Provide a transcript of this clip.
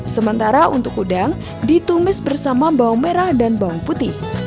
sementara untuk udang ditumis bersama bawang merah dan bawang putih